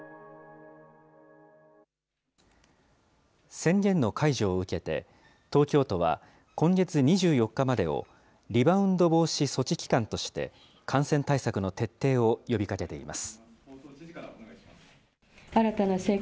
宣言の解除を受けて、東京都は、今月２４日までをリバウンド防止措置期間として、感染対策の徹底を呼びかけています。